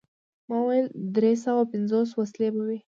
ما وویل: دری سوه پنځوس وسلې به وي.